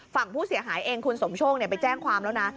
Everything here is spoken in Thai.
ฝั่งผู้เสียหายเองคุณสมโชคไปแจ้งความแล้วนะ